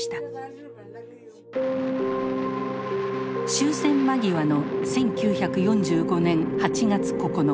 終戦間際の１９４５年８月９日。